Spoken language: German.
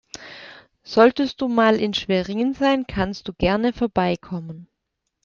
Solltest du mal in Schwerin sein, kannst du gerne vorbeikommen.